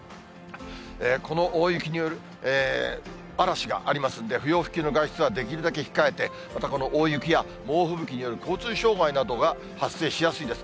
この大雪による嵐がありますんで、不要不急の外出はできるだけ控えて、またこの大雪や猛吹雪による交通障害などが発生しやすいです。